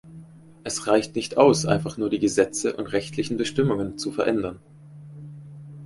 Es reicht nicht aus, einfach nur die Gesetze und rechtlichen Bestimmungen zu verändern.